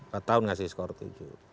empat tahun ngasih skor tujuh